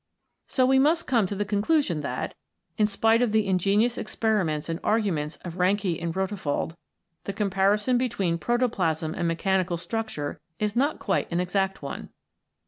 So we must come to the conclusion that, in spite of the ingenious experiments and arguments of Reinke and Rodewald, the comparison between protoplasm and mechanical structure is not quite an exact one.